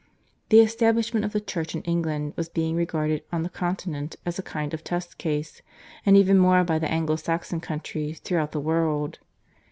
The establishment of the Church in England was being regarded on the Continent as a kind of test case; and even more by the Anglo Saxon countries throughout the world.